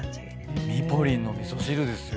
ミポリンの味噌汁ですよ。